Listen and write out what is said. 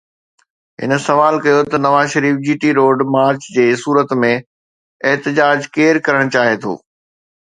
هن سوال ڪيو ته نواز شريف جي ٽي روڊ مارچ جي صورت ۾ احتجاج ڪير ڪرڻ چاهي ٿو؟